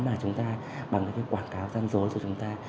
mà chúng ta bằng những cái quảng cáo gian dối cho chúng ta